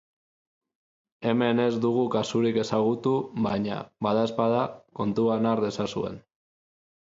Hemen ez dugu kasurik ezagutu baina, badaezpada, kontuan har dezazuen.